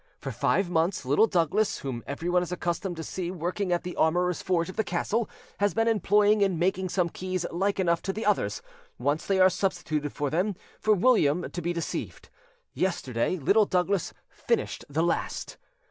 For five months, Little Douglas, whom everyone is accustomed to see working at the armourer's forge of the castle, has been employed in making some keys like enough to the others, once they are substituted for them, for William to be deceived. Yesterday Little Douglas finished the last.